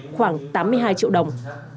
bằng tám mươi hai triệu đồng